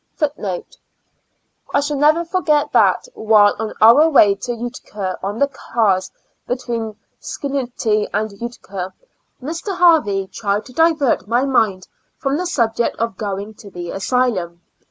I shall never forget that, while on our way to Utica on the cars, between Schenectady and Utica, Mr. Harvey tried to divert my mind from the subject of going to the asylum.